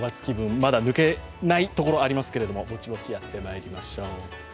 まだ抜けないところもありますけれども、ぼちぼちやってまいりましょう。